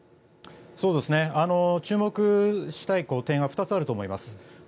注目したい点は２つあると思います。